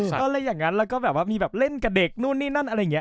อะไรอย่างนั้นแล้วก็แบบว่ามีแบบเล่นกับเด็กนู่นนี่นั่นอะไรอย่างนี้